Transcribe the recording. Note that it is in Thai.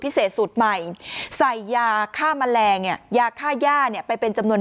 สูตรใหม่ใส่ยาฆ่าแมลงเนี่ยยาค่าย่าเนี่ยไปเป็นจำนวน